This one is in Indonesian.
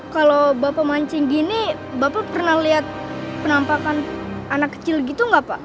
kalau bapak mancing gini bapak pernah lihat penampakan anak kecil gitu nggak pak